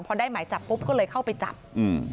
พอได้หมายจับปุ๊บก็เลยเข้าไปจับอืม